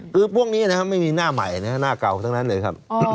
คือพวกนี้นะครับไม่มีหน้าใหม่นะครับหน้าเก่าทั้งนั้นเลยครับ